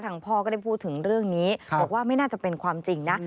พ่อก็ได้พูดถึงเรื่องนี้บอกว่าไม่น่าจะเป็นความจริงนะ